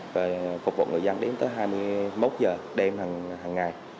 và phục vụ người dân đến tới hai mươi một giờ đêm hàng ngày